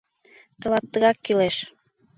— Тылат тыгак кӱлеш!